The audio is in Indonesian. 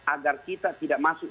agar kita tidak masuk